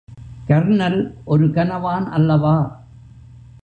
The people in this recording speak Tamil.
கர்னல் ஒரு கனவான் அல்லவா?